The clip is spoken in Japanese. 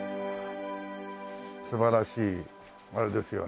素晴らしいあれですよね。